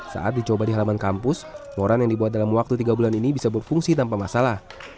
saat dicoba di halaman kampus moran yang dibuat dalam waktu tiga bulan ini bisa berfungsi tanpa masalah